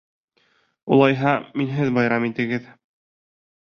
Улайһа, минһеҙ байрам итегеҙ!